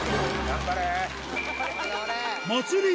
頑張れ！